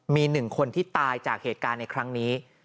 มี๑คนที่ตายจากเหตุการณ์ในครั้งนี้